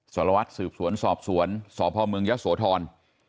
สารวัตรสืบสวนสอบสวนสพเมืองยะโสธร